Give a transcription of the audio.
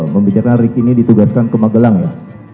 membicarakan ricky ini ditugaskan ke magelang ya